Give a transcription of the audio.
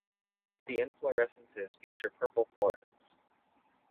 The inflorescences feature purple florets.